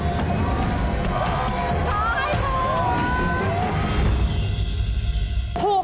ขอให้ผูก